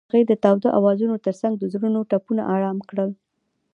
هغې د تاوده اوازونو ترڅنګ د زړونو ټپونه آرام کړل.